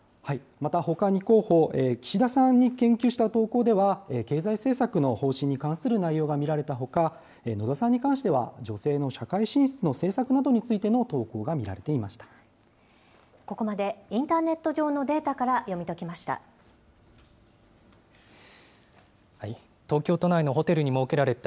またほかに候補、岸田さんに言及した投稿では、経済政策の方針に関する内容が見られたほか、野田さんに関しては、女性の社会進出の政策などについての投稿が見らここまで、インターネット上のデータから読み解きました。